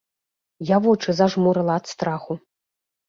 Я вочы зажмурыла ад страху.